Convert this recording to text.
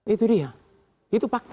itu dia itu fakta